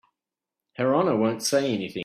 Her Honor won't say anything.